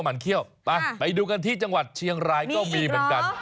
หมั่นเขี้ยวไปดูกันที่จังหวัดเชียงรายก็มีเหรอ